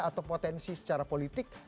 atau potensi secara politik